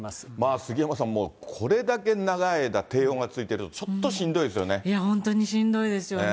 杉山さん、これだけ長い間、低温が続いていると、ちょっとしんどいですよね。